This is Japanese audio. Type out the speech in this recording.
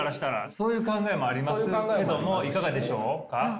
そういう考えもありますけどもいかがでしょうか？